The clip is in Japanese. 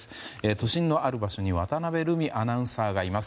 都心のある場所に渡辺瑠海アナウンサーがいます。